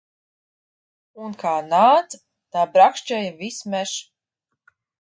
Un kā nāca, tā brakšķēja viss mežs.